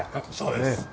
そうです。